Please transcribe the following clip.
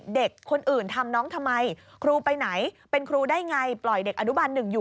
เด็กคนอื่นทำน้องทำไมครูไปไหนเป็นครูได้ไงปล่อยเด็กอนุบันหนึ่งอยู่